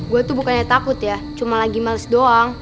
gue tuh bukannya takut ya cuma lagi males doang